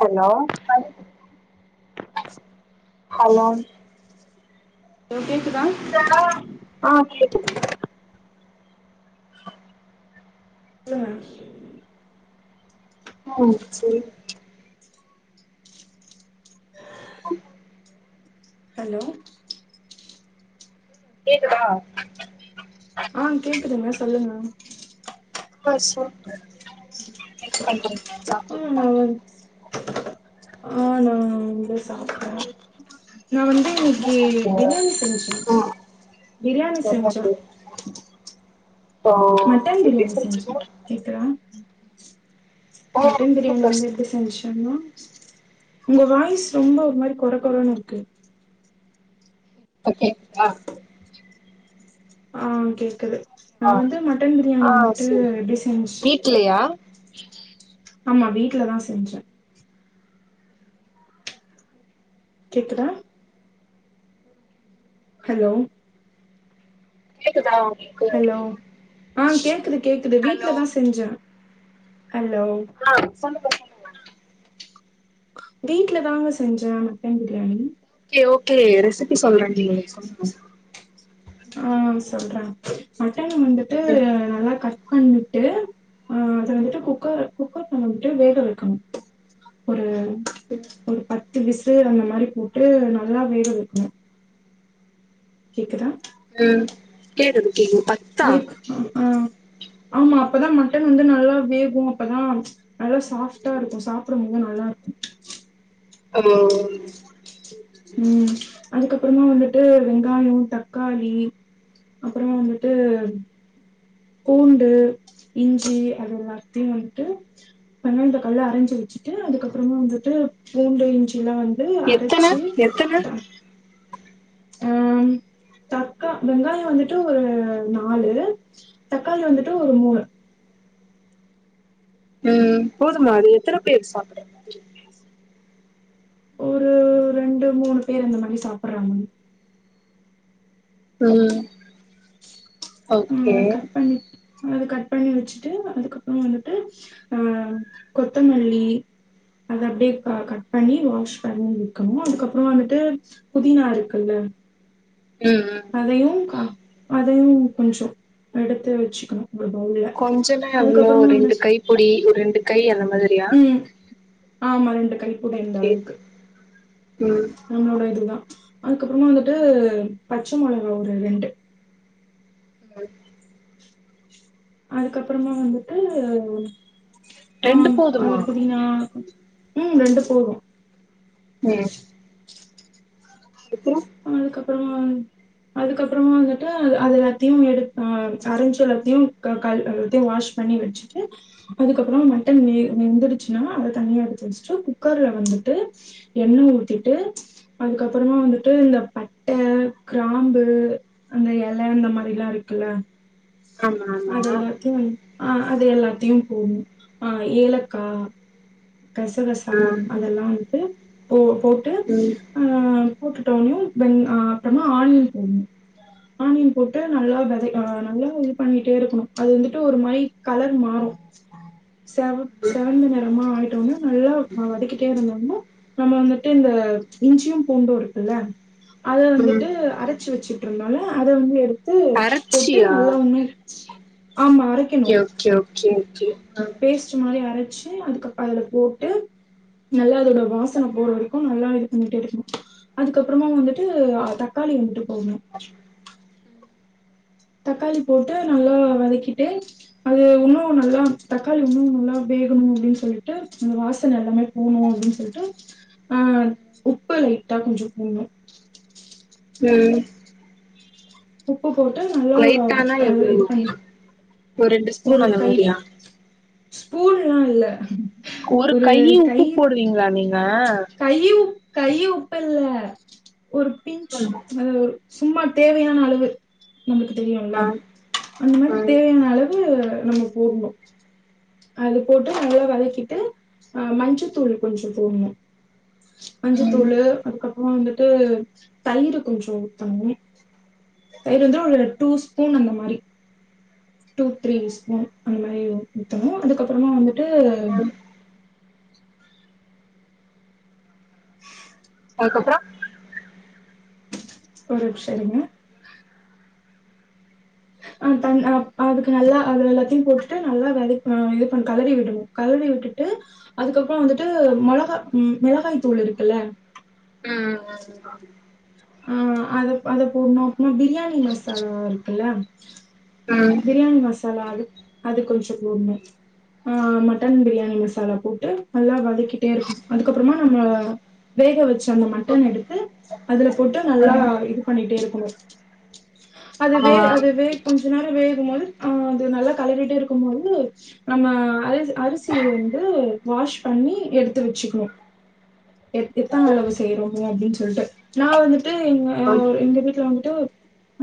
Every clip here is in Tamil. ஹலோ யாரு ஹலோ ஹலோ கேக்குதா [unintelligible] ஆ கேக்குது [inaudible] உம் உம் சேரி [inaudible] ஹலோ கேக்குதா ஆ கேக்குதுங்க சொல்லுங்க [unintelligible] சொல்லு என்ன பண்றீங்க சாப்டிங்லா உம் ஸ் ஆ நாவந்து நான் வந்து என்ன இன்னைக்கு சாப்ட்டீங்க பிரியாணி செஞ்சேன் ம் பிரியாணி செஞ்சோம் சப்பாத்தி ஓ மட்டன் எப்டி பிரியாணி செஞ்சே செஞ்சீங்க கேக்குதா ஓ மட்டன் பிரியாணி சூப்பர் வந்து எப்டி சூப்பர் செஞ்சு [unintelligible] உங்க வாய்ஸ் ரொம்ப ஒரு மாரி குற குறன்னு இருக்கு ஓகே ஆ ஆ கேக்குது நா ஆ வந்து மட்டன் பிரியாணி வந்துட்டு எப்டி செஞ் இல்லயா ஆமா வீட்ல தா செஞ்சே கேக்குதா ஹலோ கேக்குதா [unintelligible] ஹலோ ஆ கேக்குது கேக்குது ஹலோ வீட்ல தா செஞ்சே ஹலோ ஆ செல்லுங்க வீட்ல தாங்க செஞ்சே mutton biryani okay okay recipe சொல்றேன் நீங்க சொ ஆ சொல்றேன் மட்டன் வந்துட்டு நல்லா கட் பண்ணிட்டு அ அத வந்துட்டு குக்கர் குக்கர் நம்ம வந்துட்டு வேக வைக்கணும் ஒரு ம் ஒரு பத்து விசில் அந்த மாரி போட்டு நல்லா வேக வைக்கணும் கேக்குதா உம் கேக்குது கேக்குது [unintelligible] ஐக் ஆ ஆமா அப்பதா மட்டன் வந்து நல்லா வேகும் அப்பதா நல்லா சாஃப்ட்டா இருக்கும் சாப்டும்போது நல்லா இருக்கும் ஹலோ ம் அதுக்கப்பறமா வந்துட்டு வெங்காயோ தக்காளி அப்பறமா வந்துட்டு பூண்டு இஞ்சி அது எல்லாத்தையு வந்துட்டு வெங்காயோ தக்காளிலா அரைஞ்சி வச்சுட்டு அதுக்கப்புறமா வந்துட்டு பூண்டு இஞ்சி எல்லா வந் து எத்தன அரைச்சு எத்தன அம் தக்கா வெங்காயோ வந்துட்டு ஒரு நாலு தக்காளி வந்துட்டு ஒரு மூணு ம் போதுமா அது எத்தன பேரு சாப்புட ஒரு ரெண்டு மூணு பேர் அந்த மாரி சாப்புடுறாங்க ம் ஓகே ம் கட் பண்ணி அத கட் பண்ணி வச்சுட்டு அதுக்கப்புறோ வந்துட்டு அ கொத்தமல்லி அத அப்டியே க கட் பண்ணி வாஷ் பண்ணி வக்கணு அதுக்கப்றமா வந்துட்டு புதினா இருக்குல்ல ம் ம் அதையும் கா அதையும் கொஞ்சொ எடுத்து வச்சுக்கணு அப்றோ தோழி கொஞ்சனா எவ்ளோ ரெண்டு கை புடி ஒரு ரெண்டு கை அந்த மாதிரியா ம் ஆமா ரெண்டு கை ஓகே ம் நம்மளோட இதுதா அதுக்கப்புறமா வந்துட்டு பச்ச மொளகா ஒரு ரெண்டு [unintelligible] அதுக்கப்புறமா வந்துட்டு ஆ ரெண்டு அத போதுமா புதினா ம் ரெண்டு போது ம் எத்துன அதுக்கப்புறமா அதுக்கப்புறமா வந்துட்டு அது அது எல்லாத்தையு எடுத் அ அரைஞ்சு எல்லாத்தையு க கழு க எல்லாத்தையு வாஷ் பண்ணி வச்சுட்டு அதுக்கப்புறோ மட்டன் வெ வெந்துடுச்சுன்னா அத தனியா எடுத்து வச்சுட்டு குக்கர்ல வந்துட்டு எண்ண ஊத்திட்டு அதுகப்புறமா வந்து ட்டு இந்த பட்ட கிராம்பு அந்த எல ஆந்த மாரிலா இருக்குல்ல ஆமா ஆமா அது எல்லாத்தையு ஆ அது எல்லாத்தையு போட்னு ஆ ஏலக்கா கசகசா ம் அதெல்லா வந்ட்டு போ போட் ம் ஆ போட்டுட்டோன்யு வெங் ஆ அப்புறமா ஆனியன் போட்னு ஆனியன் போட்டு நல்லா வெதை அ நல்லா இது பண்ணிட்டே இருக்கணு அது வந்துட்டு ஒரு மாரி கலர் மாறு செவப் செவந்த நிறமா ஆயி ட்டோம்னா நல்லா வ வதக்கிட்டே இருந்தோம்னா நம்ம வந்துட்டு இந்த இஞ்சியும் பூண்டு இருக்குல்ல அத ம் வந்துட்டு அரச்சு வச்சுட்டுருனால அத வந்து எடு து போட்டு அரச்சியா நல்லா ஒன்னே ஆமா அர கே ஓகே ஓகே ஓகே ம் ச்சு மாரி அரச்சு அதுக்கப்ப அதுல போட்டு நல்லா அதோட வாசன போற வரைக்கும் நல்லா இது பண்ணிட்டே இருக்கனு அதுக்கப்புறமா வந்துட்டு தக்காளி வந்துட்டு போடணு தக்காளி போட்டு நல்லா வதக்கிட்டு அது இன்னு அதெல்லா தக்காளி ஒன்னும்ல்லா வேகணு அப்டின்னு சொல்லிட்டு அந்த வாசனை எல்லாமே போணு அப்டின்னு சொல்லிட்டு ஆஹ உப்பை லைட்டா கொஞ்சோ போடணு ம் உப்பு போட்டு நல்லா லைட்டானா கல எவ்ளோ இது பன்னிட்டு ஒரு ரெண்டு ஸ்பூன் ஒரு அந்த கை மாரியா ஸ்பூன்னல்லா ஒரு கைய் உப்பு போடுவீங்களா நீங்க கை உ கை உப்பு இல்ல ஒரு பிஞ்சி ஆமா அத சும்மா தேவையான அளவு நம்மளுக்கு தெரியும்ல ஆ அந்த மாரி ம் தேவையான அளவு நம்ம போடணு அது போட்டு நளா வதக்கிட்டு அ மஞ்சத்தூள் கொஞ்சோ போடணு ம் மஞ்சுத்தூளு அதுக்கப்புற வந்துட்டு தயிரு கொஞ்ச ஊத்தண்ணு தயிருந்தா வந்து ஒரு டூ ஸ்பூன் அந்த மாரி டூ த்ரீ ஸ்பூன் அந்த மாரி ஊத்தணு அதுக்கப்புறமா வந்துட்டு அதுக்கப்பறோ ஒரு நிமிஷ இருங்க அ அ அ அதுக்கு நல்லா அதுல எல்லாத்தையு போட்டுட்டு நல்லா வதக்கி ம் கலறி விடுணு கலறி விட்டுட்டு அதுக்கப்புற வந்துட்டு மொளகா மிளகாய் தூள் இருக்குல்ல ம் ம் ஆ அத அத போட்ணு அப்ம பிரியாணி மசாலா இருக்குல்ல பிரியாணி மசாலா அ அது கொஞ்சோ போடன்னு ஆஹ மட்ட பிரியாணி மசாலா போட்டு நல்லா வதக்கிட்டே இருக்கு அதுக்கப்பறமா நம்ம வேக வச்சு அந்த மட்டன எடுத்து அதுல போட்டு நல்லா இது பண்ணிட்டே இருக்கணு அதுவே ஆ அதுவே கொஞ்சோ நேர வேகு போது ஆஹ அது நல்லா கலறிட்டே இருக்கு போது நம்ம அரி அரிசிய வந்து வாஷ் பண்ணி எடுத்து வச்சுக்கணு எ எத்தன அளவு செய்யறோனு அப்டின்னு சொல்லிட்டு நா வந்துட்டு எங்க அம் எங்க வீட்ல வந்துட்டு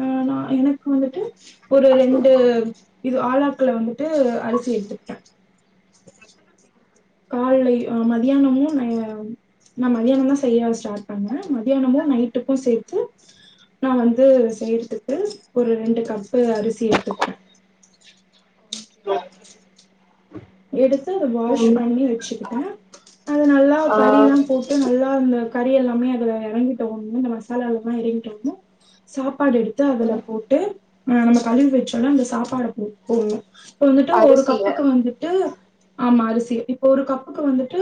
அ நா எனக்கு வந்துட்டு ஒரு ரெண்டு இது ஆலக்குல வந்துட்டு அரிசி எடுத்துட்டே காலையு ஆ மதியானமு நய் நா மத்தியான தா செய்ய ஸ்டார்ட் பண்ணே மத்தியானமு நைட்டுக்கு சேத்து நா வந்து செய்யறதுக்கு ஒரு ரெண்டு கப்பு அரிசி எடுத்துக்கிட்டே எடுத்து அதை வாஷ் ம் பண்ணி வச்சுக்கிட்டே அதை நல்லா ஆ கறி எல்லா போட்டு நல்லா இந்த கறி எல்லாமே அத இறங்கிட்டோணு இந்த மசாலா எல்லாம இறங்கிட்டோணு சாப்பாடு எடுத்து அதல போட்டு நம்ம கலறி வச்சோலஅந்த சாப்பாட போட் போடுணு இப்ப வந்துட்டு ஒரு அரிசிய கப்புக்கு வந்துட்டு ஆமா அரிசி இப்ப ஒரு கப்புக்கு வந்துட்டு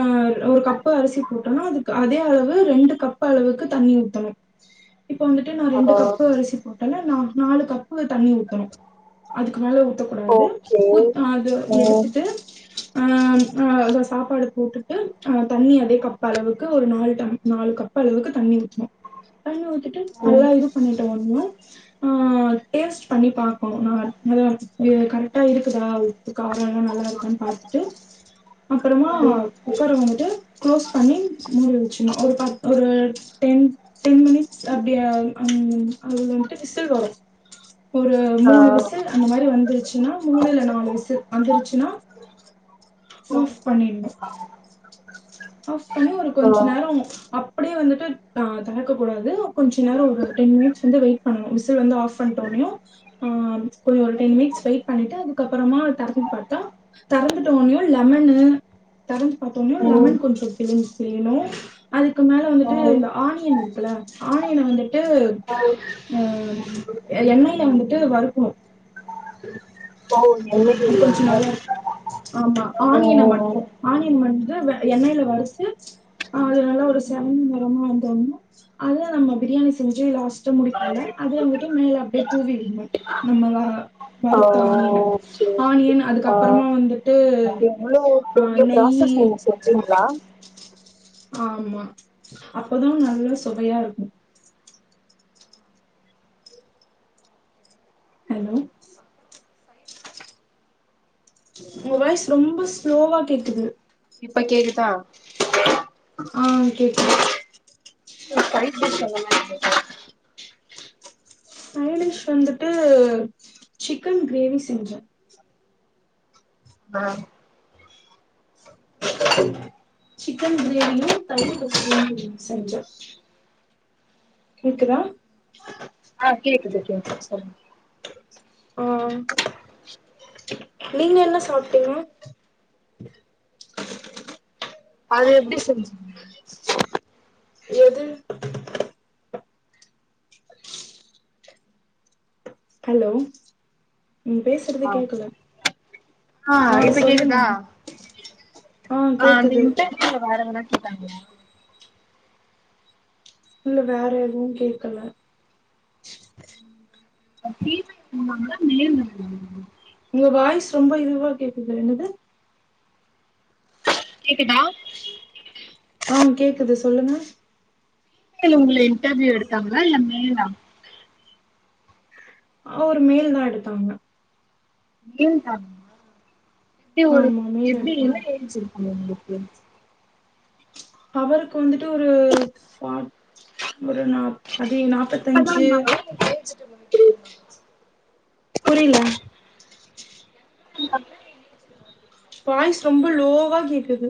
ஆஆ ஒரு கப்பு அரிசி போட்டோனா அதுக்கு அதே அளவு ரெண்டு கப்பு அளவுக்கு தண்ணி ஊத்தணு இப்ப வந்துட்டு நா ரெண்டு ஆ கப்பு அரிசி போட்டன நாலு நாலு கப்பு தண்ணி ஊத்தணு அதுக்கு மேல ஊத்தக்கூடாது ஓகே ஊத் அது ம் எடுத்துட்டு அ அத சாப்பாடு போட்டுட்டு அ தண்ணி அதே கப்ப அளவுக்கு ஒரு நாலு டம் நாலு கப் அளவுக்கு தண்ணி ஊத்தனு தண்ணி ஊத்திட்டு ம் நல்லா இது பண்ணிட்ட [unintelligible] ஆ டேஸ்ட் பண்ணி பாக்கோனு ந [unintelligible] கரெக்டா இருக்குதா உப்பு காரல்லா நல்லா இருக்கனு பாத்துட்டு அப்புறமா ம் குக்கர வந்துட்டு குளோஸ் பண்ணி முடி வச்சுணு ஒரு பத் ஒரு டேன் டென் மினிட்ஸ் அப்டிய அது அது வந்துட்டு விசில் வரு ஒரு ஆ மூணு விசல் அந்த மாரி வந்துருச்சுன்னா மூணு இல்ல நாலு விச ல் வந்துருச்சுனா ஆஃப் பண்ணிட்ணு ஆஃப் பண்ணி ஒரு கொஞ்ச ஆ நேர அப் டியே வந்துட்டு ஆ தெறக்ககூடாது கொஞ்ச நேர ஒரு டென் மினிட்ஸ்ஸு வந்து வெயிட் பண்ணு விசில் வந்து ஆஃப் பண்ட்டோனாயு ஆ ஒரு ஒரு டென் மினிட்ஸ் வெயிட் பண்ணிட்டு அதுக்க அப்புறமா தெரந்து பாத்தா தறந்துட்டோனையோ லெமன்னு தறந்து பாத்தோனோ ம் லெமன் கொஞ்ச பிழிச்சி புழியினு அதுக்கு மேல வந்துட்டு ம் இந்த ஆனியன் இருக்குல ஆனியன வந்துட்டு அ எண்ணெய்ல வந்துட்டு வறுக்குனு ஓ அது எண்ணெய்லயா கொஞ்ச நல்லாரு ஆமா ஆனியன ம் மட்டு ஆனியன் வந்து வெ எண்ணெயில வறுத்து ஆ அது நல்லா ஒரு செம் நேறமா வந்தோன அதுதா நம்ம ப்ரியாணி செஞ்சு லாஸ்ட்ட முடிப்போல அதுல வந்துட்டு மேல அப்டியே தூவி விட்ணு நம்மத ஆ வறுத்த ஆணியன ஓகே ஆணியன் ஆ அதுக்கப்புறமா வந்துட்டு எவ்ளோ அ பெரிய நெய்யி ப்ராசஸ் நீங்க செஞ்சீங்களா ஆமா அப்பதா நல்ல சோவையா இருக்கு ஹலோ உங்க வாய்ஸ் ரொம்ப ஸ்லோவா கேக்குது இப்ப கேக்குதா ஆ கேக்குது [inaudible] சைட் டிஷ் சொல்லுங்க சைட் டிஷ் வந்துட்டு சிக்கன் கிரேவி செஞ்சே ஆ சிக்கன் கிரேவியு தயிர் பச்சடியு [inaudible] செஞ்சோ கேக்குதா ஆ கேக்குது கேக்குது சொல்லுங் ஆ நீங்க என்ன சாப்ட்டீங்க அது எப்டி செஞ்சுங்க எது ஹலோ நீங்க பேசுறதே ஆ கேக்கல ஆ இப்ப சொல்லுங்க கேக்குதா ஆ அந்த இன்டர்வியூல வேற எதுன்ன கேட்டாங்களா இல்ல வேற எதுவு கேக்கல ஆ ஃபீமேல் போனாங்களா மேல் இருந்தாங்களா உங்க வாய்ஸ்ஸு ரொம்ப இதுவா கேக்குது என்னது கேக்குதா ஆ கேக்குது சொல்லுங்க ஃபிமேல் உங்க இடர்வியூ எடுத்தாங்களா இல்ல மேலா ஆ ஒரு மேலுதா எடுத்தாங்க வெயில் காளம் ஆ எப்டி ஒரு ஆமா மேல் எப்டி எடுத்தாங்க எரிஞ்சிருக்கங்க உங்களுக்கு அவருக்கு வந்துட்டு ஒரு [unintelligible] ஒரு நாள் அதை நாப்பத்தஞ்சு யங்கா இருந்தாங்களா இல்ல ஏஜ்டு மாதிரி புரில [inaudible] வாய்ஸ் ரொம்ப லோவா கேக்குது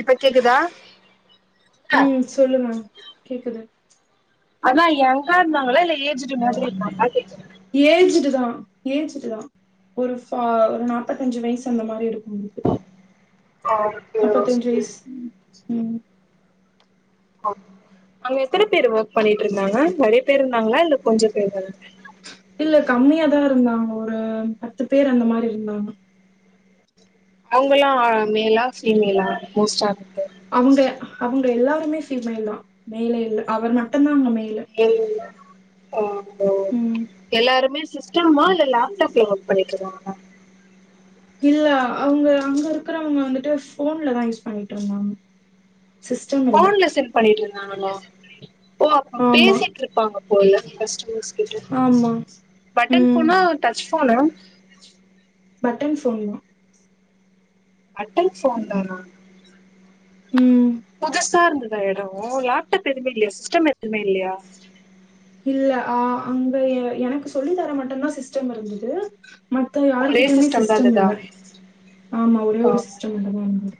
இப்ப கேக்குதா ம் சொல்லுங்க கேக்குது அதா யங்கா இருந்தாங்ளா இல்ல ஏஜ்ட்டு மாதிரி இருந்தாங்ளா கேட் ஏஜ்டு தா ஏஜ்டுதா ஒரு ஃபா நாப்பத்தஞ்சு வயசு அந்த மாரி இருக்கு உங்களுக்கு அ நாப்பத்தஞ்சு வயசு ம் ம் ஒ அங்க எத்தன பேர் ஒர்க் பண்ணிட் இருந்தாங்க நறைய பேர் இருந்தாங்ளா இல்ல கொஞ்ச பேரு தான இல்ல கம்மியாதா இருந்தாங்க ஒரு பத்து பேரு அந்த மாரி இருந்தாங்க அவுங்கலா மெலா ஃபீமெலா மோஸ்டா இருக்கது அவங்க அவுங்க எல்லாருமே ஃபீமெயில்தா மெயிலே இல்ல அவர் மட்டுந்தா அங்க மெய்லு இல்ல ஆ ஓ ம் எல்லாருமே சிஸ்டமா இல்ல லேப்டாப்ல ஒர்க் பண்ணிட்ருந்தாங் இல்ல அவுங்க அங்க இருக்கறவுங்க வந்துட்டு போன்ல தா யூஸ் பண்ணிட்டு இருந்தாங்க சிஸ்டம் இல்ல போன்ல செண்ட் பண்ணிட் இருந்தாங்களா ஓ அப்போ ஆமா பேசிட்ருப்பாங்க போல கஸ்ட்டமர்ஸ் கிட்ட ஆமா பட்டன் ம் போனா டச் போனா பட்டன் போன்தா பட்டன் போன் தானா ம் புதுசா இருந்துதா எடோ லேப்டப் எதுமே இல்லியா சிஸ்டம் எதுமே இல்லையா இல்ல ஆ அங்க என எனக்கு சொல்லி தர மட்டுந்தா சிஸ்டம் இருந்துது மத்த ஒரே யார்கிட்டயுமே தா சிஸ்டம் இல்ல இருந்ததா ஆமா ஒரே ஒரு சிஸ்டம் மட்டு இருந்தது